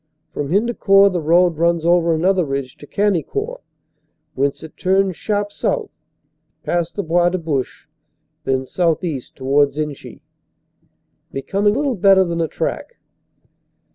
From Hendecourt the road runs over another ridge to Cagnicourt, whence it turns sharp south, past the Bois de Bouche, then southeast towards Inchy, becoming little better than a track.